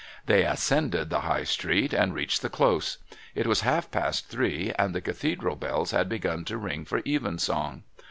They ascended the High Street and reached the Close. It was half past three, and the Cathedral bells had begun to ring for evensong.